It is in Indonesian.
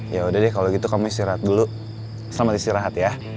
yaudah deh kalo gitu kamu istirahat dulu selamat istirahat ya